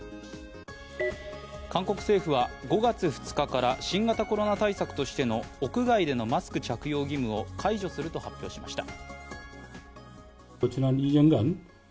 韓国政府は、５月２日から新型コロナ対策としての屋外でのマスク着用義務を解除すると発表しました。